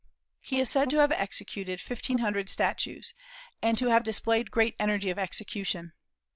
He is said to have executed fifteen hundred statues, and to have displayed great energy of execution.